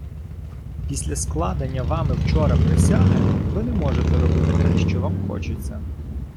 Після складення Вами вчора присяги, Ви не можете робити те що Вам хочеться.